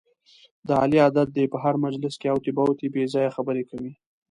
د علي عادت دی، په هر مجلس کې اوتې بوتې بې ځایه خبرې کوي.